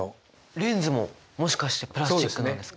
レンズももしかしてプラスチックなんですか？